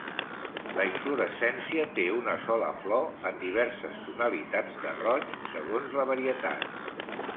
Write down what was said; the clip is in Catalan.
La inflorescència té una sola flor, en diverses tonalitats de roig segons la varietat.